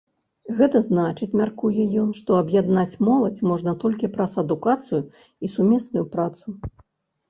Гэта значыць, мяркуе ён, што аб'яднаць моладзь можна толькі праз адукацыю і сумесную працу.